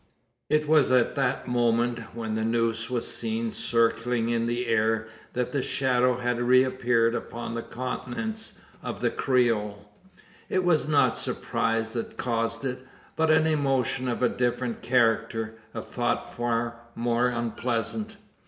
It was at that moment when the noose was seen circling in the air that the shadow had reappeared upon the countenance or the Creole. It was not surprise that caused it, but an emotion of a different character a thought far more unpleasant.